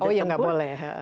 oh ya nggak boleh